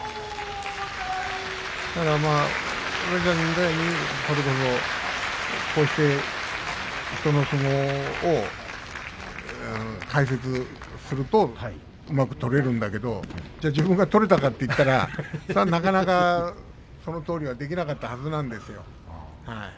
だから、こうして人の相撲を解説するとうまく取れるんだけれども自分が取れたかというとなかなかそのとおりにはできなかったはずなんですよ。